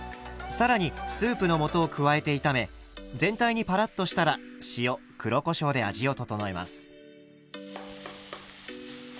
更にスープの素を加えて炒め全体にパラッとしたら塩黒こしょうで味を調えます。